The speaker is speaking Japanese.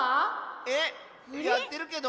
えっやってるけど。